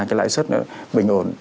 cái lãi xuất bình ổn